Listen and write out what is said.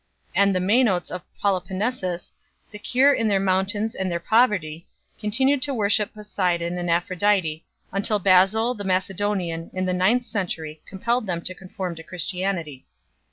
And the Mainotes in Peloponnesus, secure in their mountains and their poverty, continued to worship Poseidon and Aphrodite until Basil the Macedonian in the ninth century compelled them to conform to Christianity 4